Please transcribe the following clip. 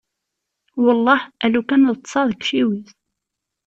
Welleh, a lukan ad ṭṭseɣ deg iciwi-s.